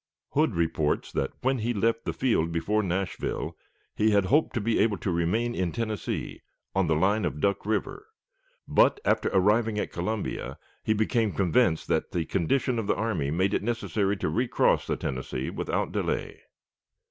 Hood reports that when he left the field before Nashville he had hoped to be able to remain in Tennessee, on the line of Duck River; but, after arriving at Colombia, he became convinced that the condition of the army made it necessary to recross the Tennessee without delay.